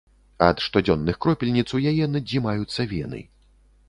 Ад штодзённых кропельніц у яе надзімаюцца вены.